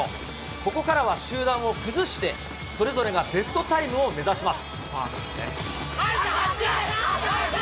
ここからは集団を崩して、それぞれがベストタイムを目指します。